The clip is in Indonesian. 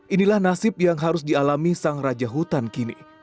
inilah nasib yang harus dialami sang raja hutan kini